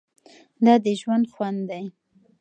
دا د ژوند خوند دی.